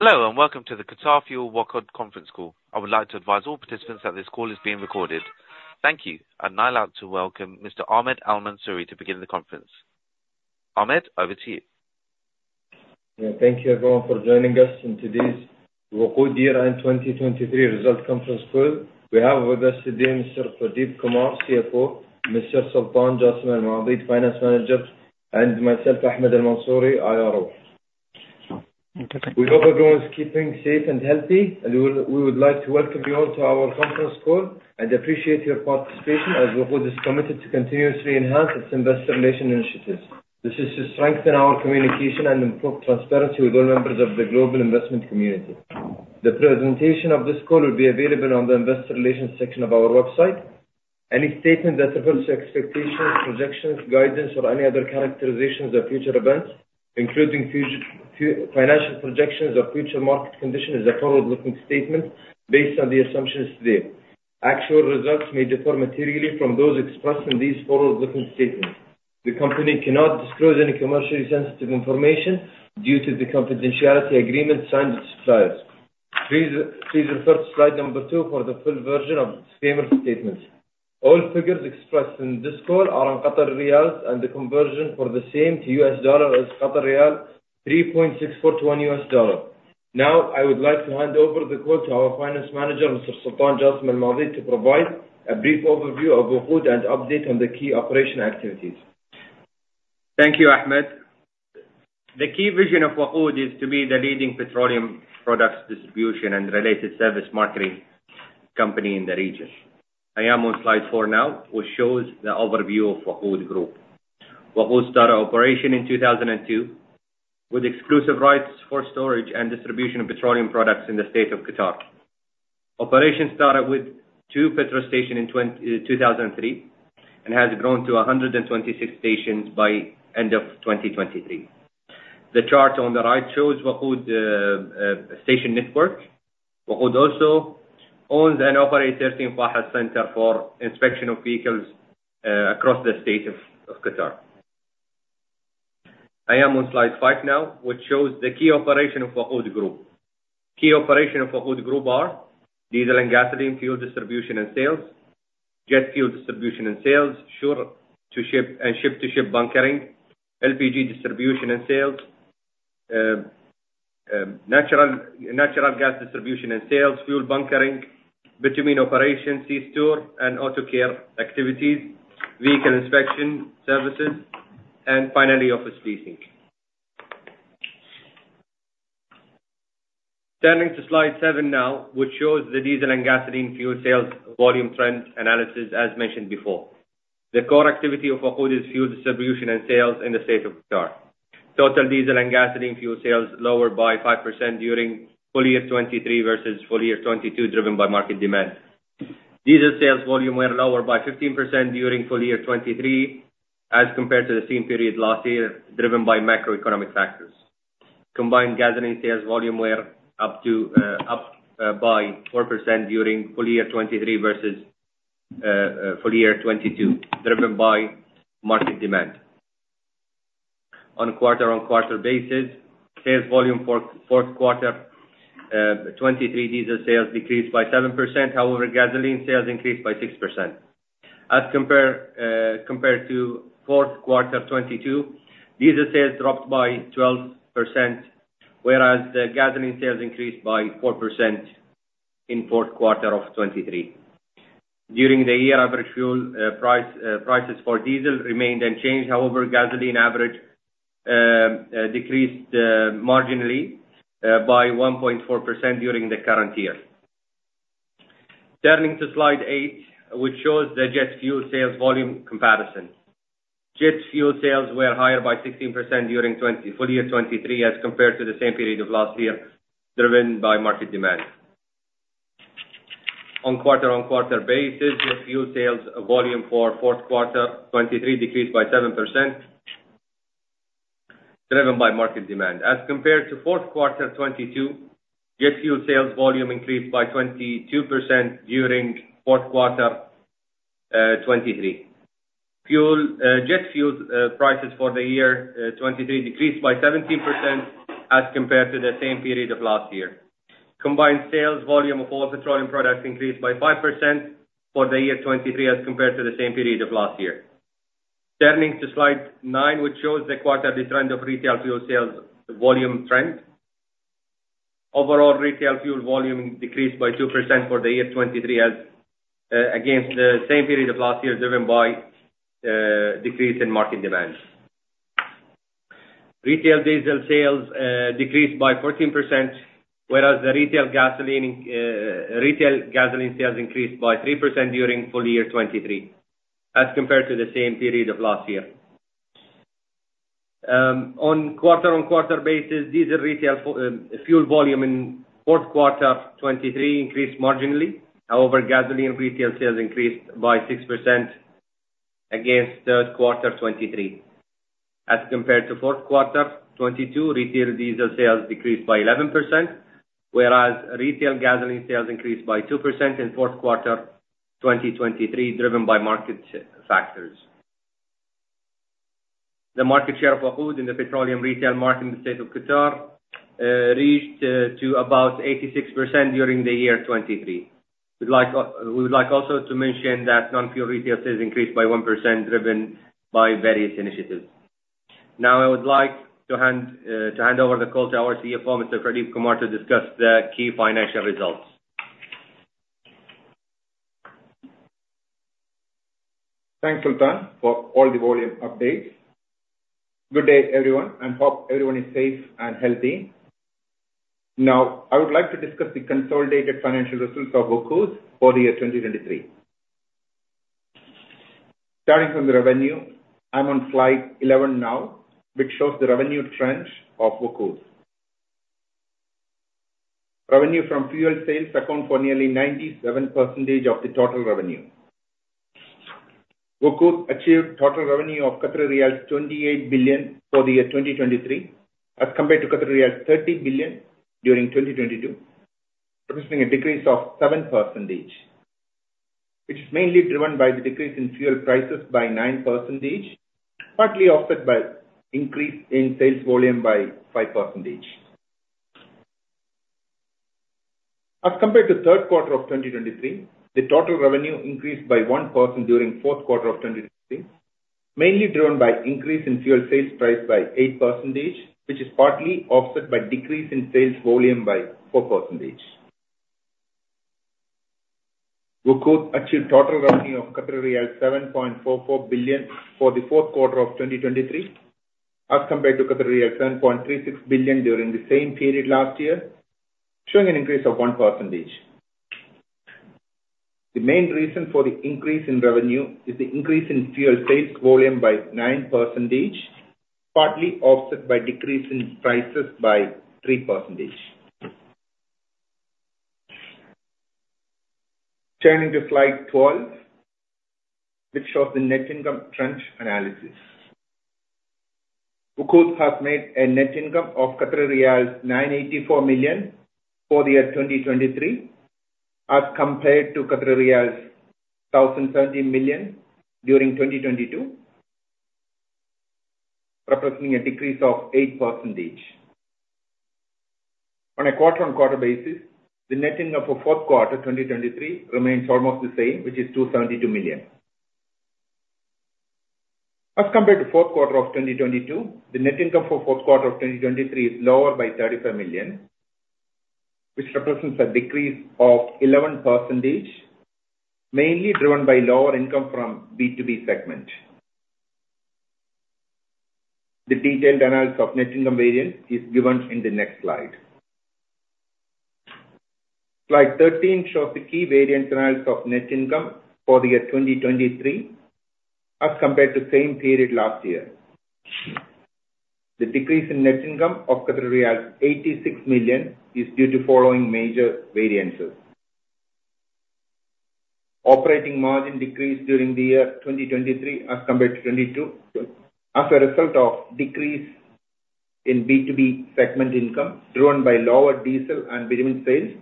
Hello, and welcome to the Qatar Fuel WOQOD conference call. I would like to advise all participants that this call is being recorded. Thank you. I'd now like to welcome Mr. Ahmed Al-Mansouri to begin the conference. Ahmed, over to you. Yeah, thank you everyone for joining us in today's WOQOD year-end 2023 result conference call. We have with us today Mr. Pradeep Kumar, CFO, Mr. Sultan Jassim Al-Maadeed, Finance Manager, and myself, Ahmed Al-Mansouri, IR. We hope everyone is keeping safe and healthy, and we would like to welcome you all to our conference call and appreciate your participation, as WOQOD is committed to continuously enhance its investor relation initiatives. This is to strengthen our communication and improve transparency with all members of the global investment community. The presentation of this call will be available on the investor relations section of our website. Any statement that refers to expectations, projections, guidance, or any other characterizations of future events, including financial projections or future market conditions, is a forward-looking statement based on the assumptions today. Actual results may differ materially from those expressed in these forward-looking statements. The company cannot disclose any commercially sensitive information due to the confidentiality agreement signed with suppliers. Please, please refer to slide number two for the full version of the disclaimer statements. All figures expressed in this call are in Qatari riyals, and the conversion for the same to U.S. dollar is Qatari riyal 3.642 U.S. dollar. Now, I would like to hand over the call to our Finance Manager, Mr. Sultan Jassim Al-Maadeed, to provide a brief overview of WOQOD and update on the key operational activities. Thank you, Ahmed. The key vision of WOQOD is to be the leading petroleum products distribution and related service marketing company in the region. I am on slide four now, which shows the overview of WOQOD Group. WOQOD started operation in 2002, with exclusive rights for storage and distribution of petroleum products in the state of Qatar. Operation started with two petrol stations in 2003, and has grown to 126 stations by end of 2023. The chart on the right shows WOQOD station network. WOQOD also owns and operates 13 FAHES Centers for Inspection of Vehicles across the state of Qatar. I am on slide five now, which shows the key operation of WOQOD Group. Key operations of WOQOD Group are diesel and gasoline fuel distribution and sales, jet fuel distribution and sales, shore-to-ship and ship-to-ship bunkering, LPG distribution and sales, natural gas distribution and sales, fuel bunkering, bitumen operations, c-store, and auto care activities, vehicle inspection services, and finally, office leasing. Turning to slide seven now, which shows the diesel and gasoline fuel sales volume trend analysis, as mentioned before. The core activity of WOQOD is fuel distribution and sales in the state of Qatar. Total diesel and gasoline fuel sales lowered by 5% during full year 2023 versus full year 2022, driven by market demand. Diesel sales volume were lower by 15% during full year 2023, as compared to the same period last year, driven by macroeconomic factors. Combined gasoline sales volume were up by 4% during full year 2023 versus full year 2022, driven by market demand. On a quarter-on-quarter basis, sales volume for fourth quarter 2023, diesel sales decreased by 7%. However, gasoline sales increased by 6%. As compared to fourth quarter 2022, diesel sales dropped by 12%, whereas the gasoline sales increased by 4% in fourth quarter of 2023. During the year, average fuel prices for diesel remained unchanged. However, gasoline average decreased marginally by 1.4% during the current year. Turning to slide eight, which shows the jet fuel sales volume comparison. Jet fuel sales were higher by 16% during full year 2023 as compared to the same period of last year, driven by market demand. On quarter-on-quarter basis, jet fuel sales volume for fourth quarter 2023 decreased by 7%, driven by market demand. As compared to fourth quarter 2022, jet fuel sales volume increased by 22% during fourth quarter 2023. Fuel jet fuel prices for the year 2023 decreased by 17% as compared to the same period of last year. Combined sales volume of all petroleum products increased by 5% for the year 2023, as compared to the same period of last year. Turning to slide nine, which shows the quarterly trend of retail fuel sales volume trend. Overall retail fuel volume decreased by 2% for the year 2023 as against the same period of last year, driven by decrease in market demand. Retail diesel sales decreased by 14%, whereas the retail gasoline retail gasoline sales increased by 3% during full year 2023, as compared to the same period of last year. On quarter-on-quarter basis, diesel retail fuel volume in fourth quarter 2023 increased marginally. However, gasoline retail sales increased by 6% against third quarter 2023. As compared to fourth quarter 2022, retail diesel sales decreased by 11%, whereas retail gasoline sales increased by 2% in fourth quarter 2023, driven by market share factors. The market share of WOQOD in the petroleum retail market in the State of Qatar reached to about 86% during the year 2023. We'd like, we would like also to mention that non-fuel retail sales increased by 1%, driven by various initiatives. Now I would like to hand over the call to our CFO, Mr. Pradeep Kumar, to discuss the key financial results. Thanks, Sultan, for all the volume updates. Good day, everyone, and hope everyone is safe and healthy. Now, I would like to discuss the consolidated financial results of WOQOD for the year 2023. Starting from the revenue, I'm on slide 11 now, which shows the revenue trends of WOQOD. Revenue from fuel sales account for nearly 97% of the total revenue. WOQOD achieved total revenue of 28 billion for the year 2023, as compared to 30 billion during 2022, representing a decrease of 7%, which is mainly driven by the decrease in fuel prices by 9%, partly offset by increase in sales volume by 5%. As compared to third quarter of 2023, the total revenue increased by 1% during fourth quarter of 2023, mainly driven by increase in fuel sales price by 8%, which is partly offset by decrease in sales volume by 4%. WOQOD achieved total revenue of 7.4 billion for the fourth quarter of 2023, as compared to 7.36 billion during the same period last year, showing an increase of 1%. The main reason for the increase in revenue is the increase in fuel sales volume by 9%, partly offset by decrease in prices by 3%. Turning to slide 12, which shows the net income trend analysis. WOQOD has made a net income of 984 million for the year 2023, as compared to 1,070 million during 2022, representing a decrease of 8%. On a quarter-on-quarter basis, the net income for fourth quarter 2023 remains almost the same, which is 272 million. As compared to fourth quarter of 2022, the net income for fourth quarter of 2023 is lower by 35 million, which represents a decrease of 11%, mainly driven by lower income from B2B segment. The detailed analysis of net income variance is given in the next slide. Slide 13 shows the key variance analysis of net income for the year 2023, as compared to same period last year. The decrease in net income of 86 million is due to following major variances. Operating margin decreased during the year 2023, as compared to 2022, as a result of decrease in B2B segment income, driven by lower diesel and premium sales,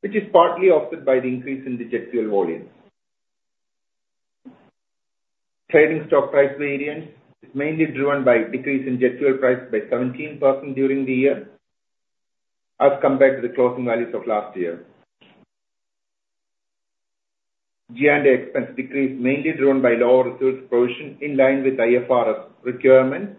which is partly offset by the increase in the jet fuel volume. Trading stock price variance is mainly driven by decrease in jet fuel price by 17% during the year, as compared to the closing values of last year. G&A expense decrease, mainly driven by lower reserves provision in line with IFRS requirement.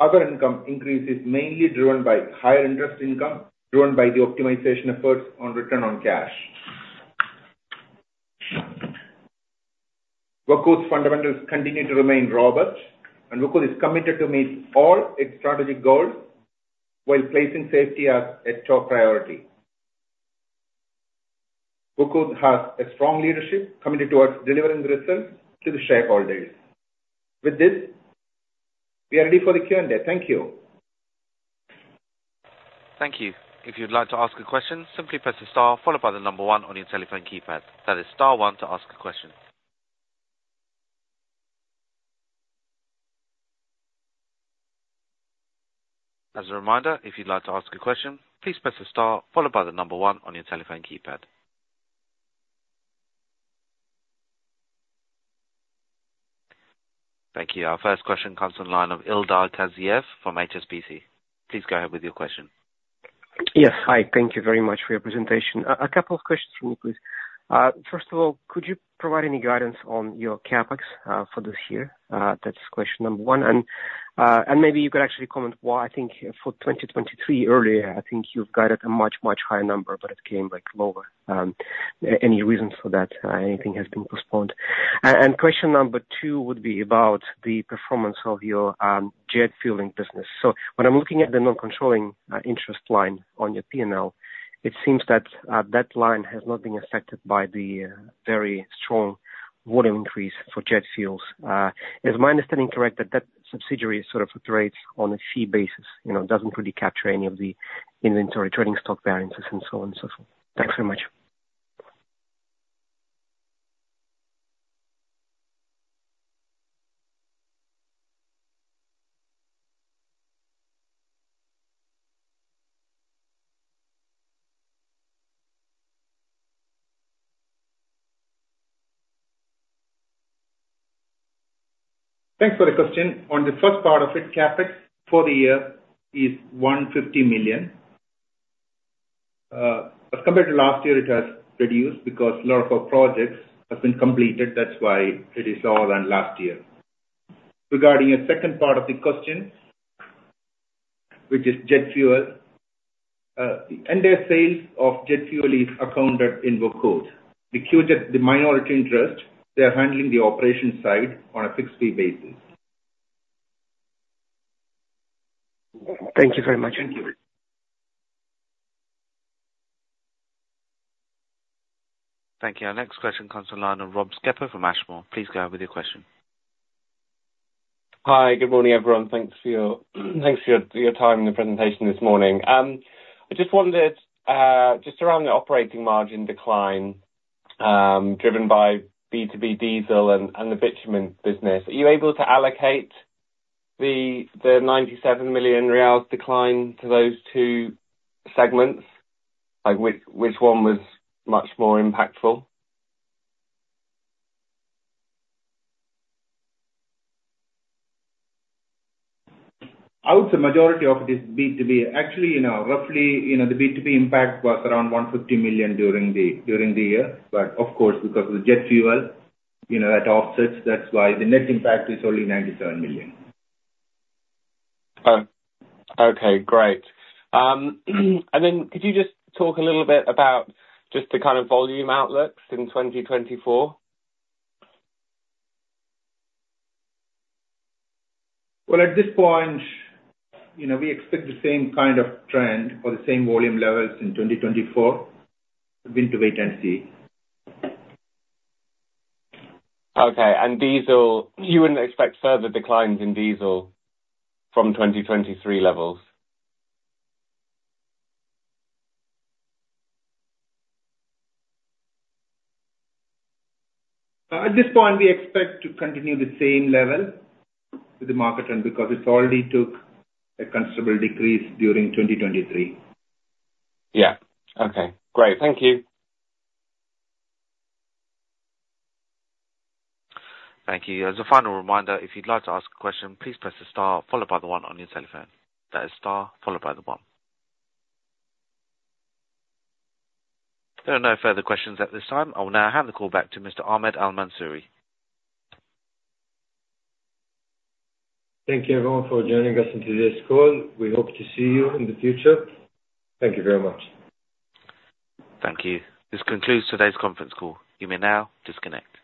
Other income increase is mainly driven by higher interest income, driven by the optimization efforts on return on cash. WOQOD's fundamentals continue to remain robust, and WOQOD is committed to meet all its strategic goals while placing safety as a top priority. WOQOD has a strong leadership committed towards delivering the results to the shareholders. With this, we are ready for the Q&A. Thank you. Thank you. If you'd like to ask a question, simply press the star followed by the number one on your telephone keypad. That is star one to ask a question. As a reminder, if you'd like to ask a question, please press the star followed by the number one on your telephone keypad. Thank you. Our first question comes from the line of Ildar Khaziev from HSBC. Please go ahead with your question. Yes. Hi, thank you very much for your presentation. A couple of questions for you, please. First of all, could you provide any guidance on your CapEx for this year? That's question number one. And maybe you could actually comment why I think for 2023 earlier, I think you've guided a much, much higher number, but it came, like, lower. Any reasons for that? Anything has been postponed? And question number two would be about the performance of your jet fueling business. So when I'm looking at the non-controlling interest line on your P&L, it seems that that line has not been affected by the very strong volume increase for jet fuels. Is my understanding correct that that subsidiary sort of trades on a fee basis, you know, doesn't really capture any of the inventory trading stock variances and so on and so forth? Thanks very much. Thanks for the question. On the first part of it, CapEx for the year is 150 million. As compared to last year, it has reduced because a lot of our projects have been completed, that's why it is lower than last year. Regarding your second part of the question, which is jet fuel. And their sales of jet fuel is accounted in WOQOD. Because the minority interest, they are handling the operation side on a fixed fee basis. Thank you very much. Thank you. Thank you. Our next question comes from the line of Rob Skipper from Ashmore. Please go ahead with your question. Hi, good morning, everyone. Thanks for your, thanks for your time and the presentation this morning. I just wondered just around the operating margin decline driven by B2B diesel and the bitumen business. Are you able to allocate the 97 million riyals decline to those two segments? Like, which one was much more impactful? I would say majority of it is B2B. Actually, you know, roughly, you know, the B2B impact was around 150 million during the, during the year. But of course, because of the jet fuel, you know, that offsets, that's why the net impact is only 97 million. Oh, okay. Great. And then could you just talk a little bit about just the kind of volume outlooks in 2024? Well, at this point, you know, we expect the same kind of trend or the same volume levels in 2024. We have to wait and see. Okay. And diesel, you wouldn't expect further declines in diesel from 2023 levels? At this point, we expect to continue the same level with the market trend, because it already took a considerable decrease during 2023. Yeah. Okay, great. Thank you. Thank you. As a final reminder, if you'd like to ask a question, please press the star followed by the one on your telephone. That is star, followed by the one. There are no further questions at this time. I will now hand the call back to Mr. Ahmed Al-Mansouri. Thank you everyone for joining us in today's call. We hope to see you in the future. Thank you very much. Thank you. This concludes today's conference call. You may now disconnect.